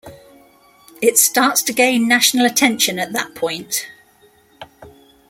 It starts to gain national attention at that point.